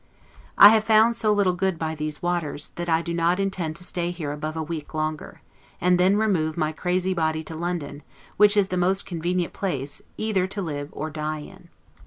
I have found so little good by these waters, that I do not intend to stay here above a week longer; and then remove my crazy body to London, which is the most convenient place either to live or die in.